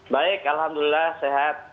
baik alhamdulillah sehat